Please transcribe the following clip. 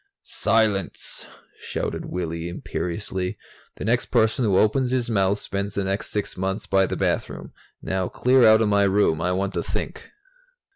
"Silence!" shouted Willy imperiously. "The next person who opens his mouth spends the next sixth months by the bathroom. Now clear out of my room. I want to think."